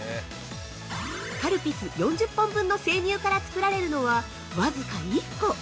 カルピス４０本分の生乳から作られるのは、僅か１個。